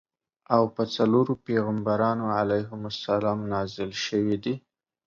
او په څلورو پیغمبرانو علیهم السلام نازل شویدي.